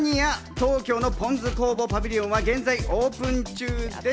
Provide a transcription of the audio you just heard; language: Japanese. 東京のぽん酢工房パビリオンは現在オープン中です。